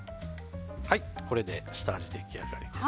これで下味、出来上がりです。